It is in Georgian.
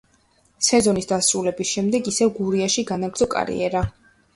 სეზონის დასრულების შემდეგ ისევ „გურიაში“ განაგრძო კარიერა.